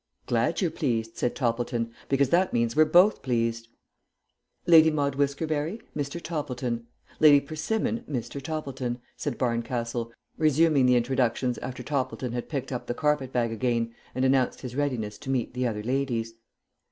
"Glad you're pleased," said Toppleton, "because that means we're both pleased." "Lady Maude Whiskerberry, Mr. Toppleton. Lady Persimmon, Mr. Toppleton," said Barncastle, resuming the introductions after Toppleton had picked up the carpet bag again and announced his readiness to meet the other ladies.